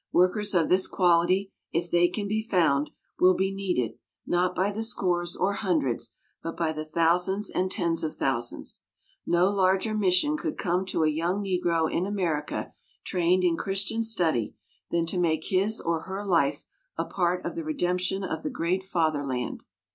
Workers of this quality, if they can be found, will be needed not by the scores or hundreds, but by the thousands and tens of thousands. No larger mission could come to a young Negro in America trained in Christian study than to make his or her life a part of the redemption of the great fatherland.